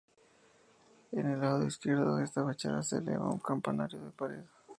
En el lado izquierdo de esta fachada se eleva un campanario de pared.